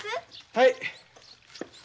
はい。